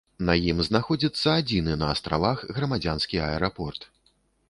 На ім знаходзіцца адзіны на астравах грамадзянскі аэрапорт.